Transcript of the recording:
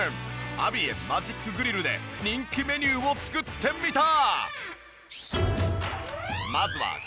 アビエンマジックグリルで人気メニューを作ってみた！